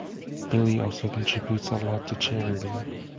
Billy also contributes a lot to charity.